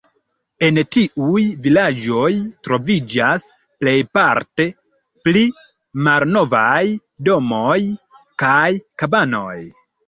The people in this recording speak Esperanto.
En tiuj vilaĝoj troviĝas plejparte pli malnovaj domoj kaj kabanoj.